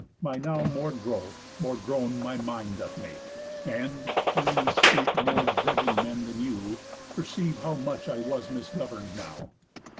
My now more growth more grown my mind doth make, And, hearing speak more judging men than you, Perceive how much I was misgovern'd now.